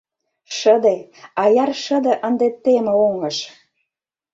Шыде, аяр шыде ынде Теме оҥыш.